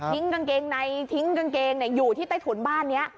กางเกงในทิ้งกางเกงอยู่ที่ใต้ถุนบ้านนี้